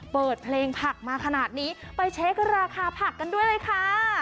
เปิดเพลงผักมาขนาดนี้ไปเช็คราคาผักกันด้วยเลยค่ะ